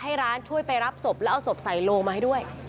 ให้ร้านช่วยไปรับศพได้และเอาศพไส้ลงมาให้ด้วย